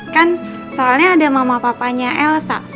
kan soalnya ada mama papanya elsa